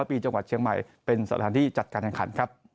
ปีจังหวัดเชียงใหม่เป็นสถานที่จัดการแข่งขันครับ